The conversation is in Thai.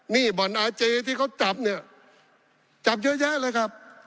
นี่บ่อนอาเจที่เขาจับเนี่ยจับเยอะแยะเลยครับ